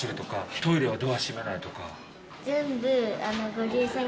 トイレはドア閉めないとか。